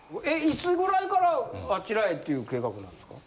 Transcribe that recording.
いつぐらいからあちらへという計画なんですか？